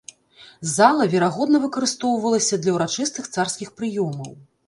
Зала верагодна выкарыстоўвалася для ўрачыстых царскіх прыёмаў.